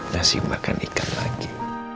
nasi makan ikan lagi